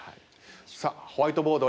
さあホワイトボード